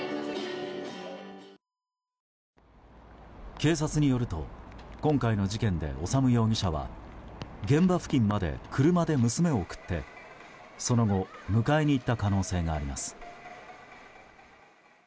警察によると今回の事件で、修容疑者は現場付近まで車で娘を送ってその後、迎えに行った可能性があります。